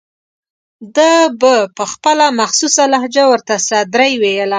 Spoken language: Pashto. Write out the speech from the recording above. ده به په خپله مخصوصه لهجه ورته سدرۍ ویله.